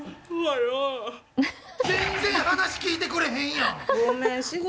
全然話聞いてくれへんやん。